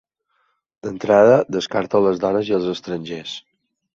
D'entrada, descarto les dones i els estrangers.